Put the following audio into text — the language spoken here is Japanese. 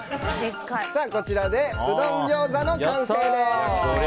こちらでうどんギョーザの完成です。